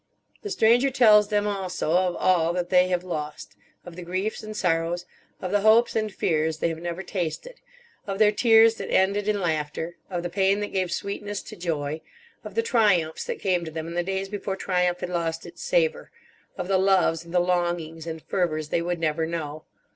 The Stranger tells them also of all that they have lost: of the griefs and sorrows, of the hopes and fears they have never tasted, of their tears that ended in laughter, of the pain that gave sweetness to joy, of the triumphs that came to them in the days before triumph had lost its savour, of the loves and the longings and fervours they would never know.